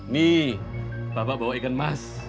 nih bapak bawa ikan emas